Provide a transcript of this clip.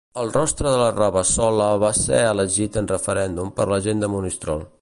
El rostre de la Rabassola va ser elegit en referèndum per la gent de Monistrol.